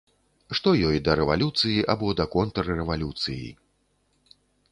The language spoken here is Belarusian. Што ёй да рэвалюцыі або да контррэвалюцыі?